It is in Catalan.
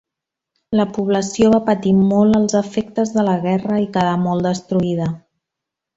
La població va patir molt els efectes de la guerra i quedà molt destruïda.